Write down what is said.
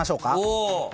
お！